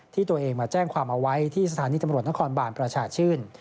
ที่ตัวเองมาแจ้งความเอาไว้ที่สถานีตำรวจนครบาลประชาชื่น